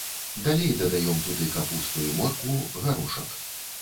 Далей дадаём туды капусту і моркву, гарошак.